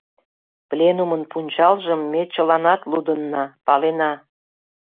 — Пленумын пунчалжым ме чыланат лудынна, палена.